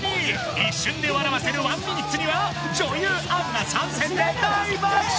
一瞬で笑わせるワンミニッツには女優・杏が参戦で大爆笑！